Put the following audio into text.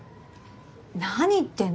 何言ってんの？